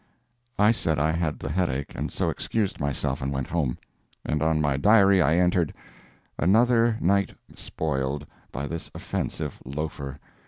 I said I had the headache, and so excused myself and went home. And on my diary I entered "another night spoiled" by this offensive loafer.